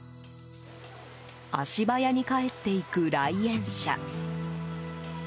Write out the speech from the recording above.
足早に帰っていく来園者。